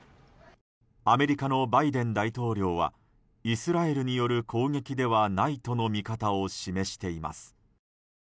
アメリカのバイデン大統領はイスラエルによる攻撃ではないとの見方を示しています。